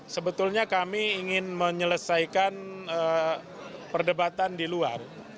sebetulnya kami ingin menyelesaikan perdebatan di luar